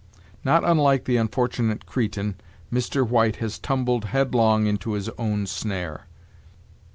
Not unlike the unfortunate Cretan, Mr. White has tumbled headlong into his own snare.